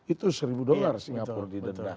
itu seribu dollar singapura didendam